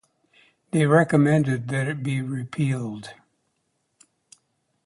They recommended that it be repealed.